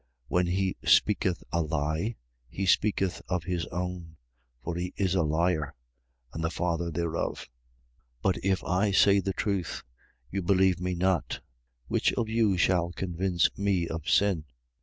When he speaketh a lie, he speaketh of his own: for he is a liar, and the father thereof. 8:45. But if I say the truth, you believe me not. 8:46. Which of you shall convince me of sin?